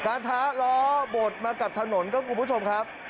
การท้าล้อบดมากับถนนข้างคู่ผู้ชมครับ